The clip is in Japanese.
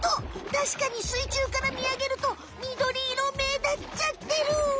たしかにすいちゅうからみあげるとみどり色目立っちゃってる！